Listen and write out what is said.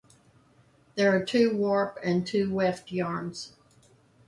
There are two warp and two weft yarns.